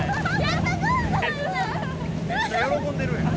めっちゃ喜んでるやん。